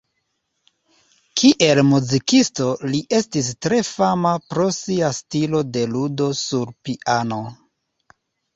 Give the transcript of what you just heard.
Kiel muzikisto li estis tre fama pro sia stilo de ludo sur piano.